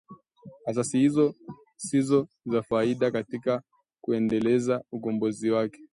asasi hizo zisizo na faida katika kuendeleza ukombozi wake